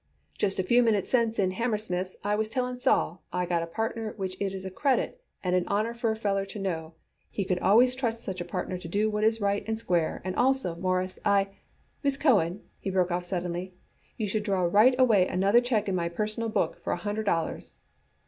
Just a few minutes since in Hammersmith's I was telling Sol I got a partner which it is a credit and an honor for a feller to know he could always trust such a partner to do what is right and square and also, Mawruss, I Miss Cohen," he broke off suddenly, "you should draw right away another check in my personal book for a hundred dollars."